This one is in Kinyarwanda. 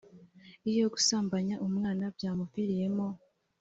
iyo gusambanya umwana byamuviriyemo